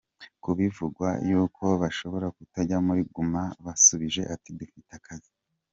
Kubivugwa y’uko bashobora kutajya muri Guma, basubije ati :”Dufite akazi.